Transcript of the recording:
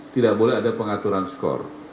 tidak boleh ada pengaturan skor